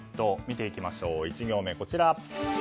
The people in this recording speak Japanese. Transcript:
見ていきましょう、１行目こちら。